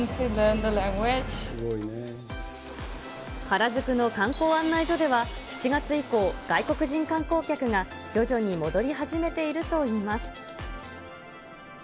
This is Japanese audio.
原宿の観光案内所では、７月以降、外国人観光客が徐々に戻り始めているといいます。